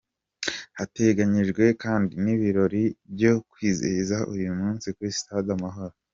Hateganyijwe kandi n’ibirori byo kwizihiza uyu munsi kuri Sitade Amahoro.